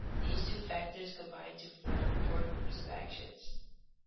These two factors combine to form four groups of actions.